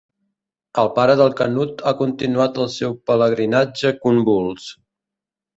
El pare del Canut ha continuat el seu pelegrinatge convuls.